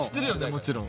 もちろん。